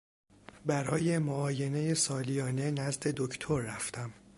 برای معاینه سالیانه نزد دکتر رفتم.